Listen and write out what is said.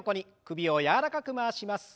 首を柔らかく回します。